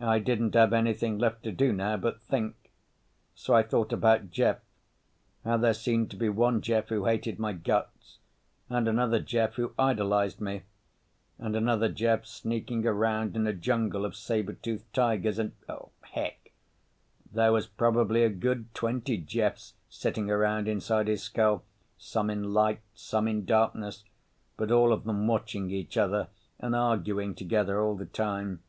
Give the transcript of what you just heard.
I didn't have anything left to do now but think. So I thought about Jeff—how there seemed to be one Jeff who hated my guts and another Jeff who idolized me and another Jeff sneaking around in a jungle of sabertooth tigers and ... heck, there was probably a good twenty Jeffs sitting around inside his skull, some in light, some in darkness, but all of them watching each other and arguing together all the time.